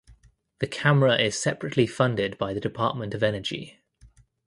The camera is separately funded by the Department of Energy.